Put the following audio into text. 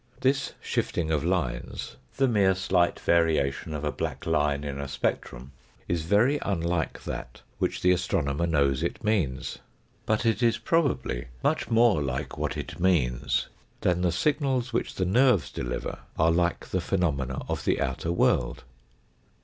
This shifting of lines, the mere slight variation of a black line in a spectrum, is very unlike that which the astronomer knows it means. But it is probably much more like what it means than the signals which the nerves deliver are like the phenomena of the outer world.